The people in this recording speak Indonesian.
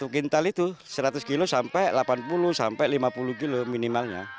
satu kintal itu seratus kg sampai delapan puluh sampai lima puluh kg minimalnya